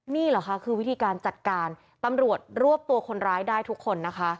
นี่เหรอคะคือวิธีการจัดการตำรวจรวบตัวคนร้ายได้ทุกคนนะคะ